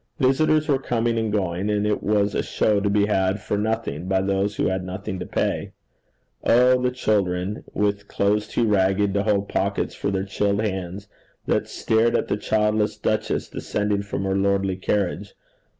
Visitors were coming and going, and it was a show to be had for nothing by those who had nothing to pay. Oh! the children with clothes too ragged to hold pockets for their chilled hands, that stared at the childless duchess descending from her lordly carriage!